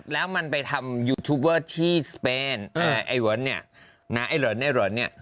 แล้วมันไปทำยูทูปเวอร์ที่สเปนไอ้เหริญเนี่ยไอ้เหริญไอ้เหริญเนี่ย